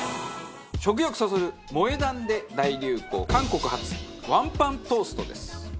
食欲そそる萌え断で大流行韓国発ワンパントーストです。